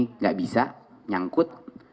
tidak bisa nyangkut